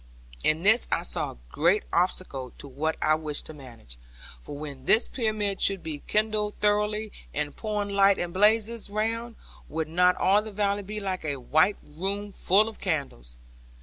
In this I saw great obstacle to what I wished to manage. For when this pyramid should be kindled thoroughly, and pouring light and blazes round, would not all the valley be like a white room full of candles?